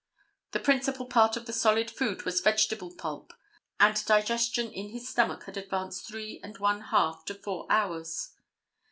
The principal part of the solid food was vegetable pulp, and digestion in his stomach had advanced three and one half to four hours.